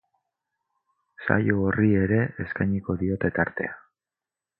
Saio horri ere eskainiko diote tartea.